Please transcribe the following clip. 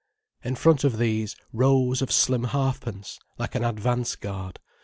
In front of these, rows of slim halfpence, like an advance guard.